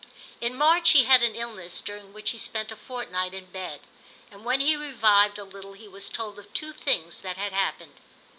In March he had an illness during which he spent a fortnight in bed, and when he revived a little he was told of two things that had happened.